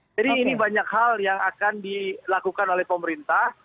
jadi ini banyak hal yang akan dilakukan oleh pemerintah